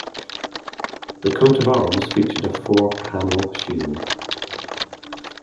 The coat of arms features a four-paneled shield.